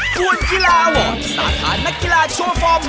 กวนกีฬาหว่อสถานกีฬาโชฟอร์ม